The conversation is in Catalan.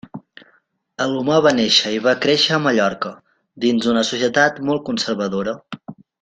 Alomar va néixer i va créixer a Mallorca, dins una societat molt conservadora.